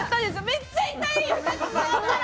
めっちゃ痛い！